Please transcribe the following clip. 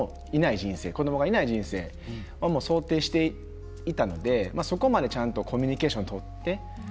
もう子どもがいない人生を想定していたのでそこまで、ちゃんとコミュニケーションを取って。